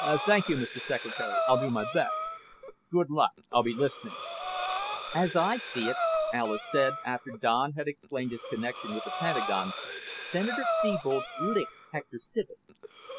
"Thank you, Mr. Secretary. I'll do my best." "Good luck. I'll be listening." "As I see it," Alis said after Don had explained his connection with the Pentagon, "Senator Thebold licked Hector Civek.